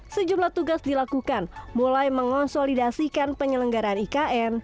sejumlah tugas dilakukan mulai mengonsolidasikan penyelenggaraan ikn